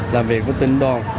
làm việc với tỉnh đoàn